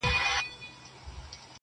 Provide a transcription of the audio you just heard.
سم ليونى سوم_